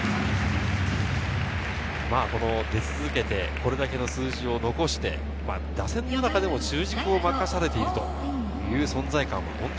出続けて、これだけの数字を残して打線の中でも中軸を任されているという存在感。